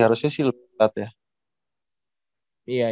harusnya sih lebih ketat ya